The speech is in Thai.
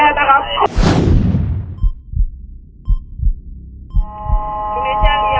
กิ๊ดซ้ายไปก่อนนะครับฉุกเฉินเท่ากันแม่นะครับ